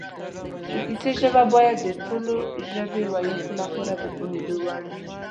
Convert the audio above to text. د کیسې ژبه باید د ټولو ژبې ویونکو لپاره د پوهېدو وړ وي